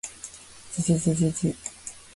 じじじじじ